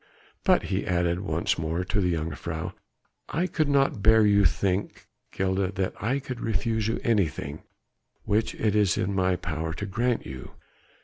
But," he added once more to the jongejuffrouw, "I could not bear you to think, Gilda, that I could refuse you anything which it is in my power to grant you.